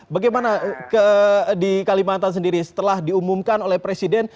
bagaimana di kalimantan sendiri setelah diumumkan oleh presiden